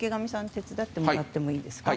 手伝ってもらっていいですか。